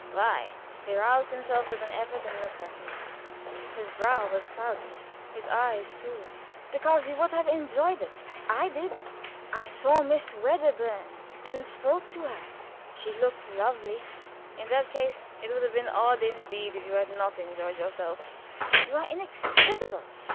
"Why?" He roused himself with an effort and looked at me. His brow was clouded, his eyes too. "Because you would have enjoyed it. I did. I saw Miss Wedderburn, and spoke to her. She looked lovely." "In that case it would have been odd indeed if you had not enjoyed yourself." "You are inexplicable."